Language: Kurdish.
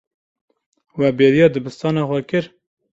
We bêriya dibistana xwe kir.